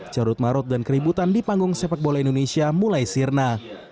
carut marut dan keributan di panggung sepak bola indonesia mulai sirna